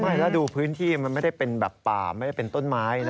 ไม่แล้วดูพื้นที่มันไม่ได้เป็นแบบป่าไม่ได้เป็นต้นไม้นะ